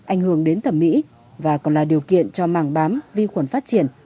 ảnh hưởng đến thẩm mỹ và còn là điều kiện cho mảng bám vi khuẩn phát triển